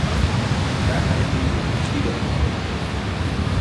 That, I think, is the key definition.